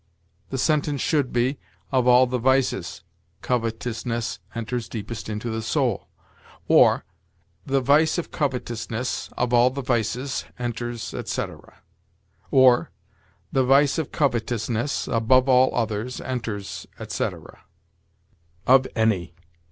The sentence should be, "Of all the vices, covetousness enters deepest into the soul"; or, "The vice of covetousness, of all the vices, enters," etc.; or, "The vice of covetousness, above all others, enters," etc. OF ANY.